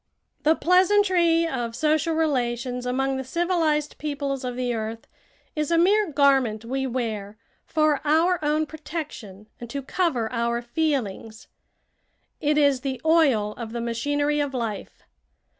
The pleasantry of social relations among the civilized peoples of the earth is a mere garment we wear for our own protection and to cover our feelings. It is the oil of the machinery of life.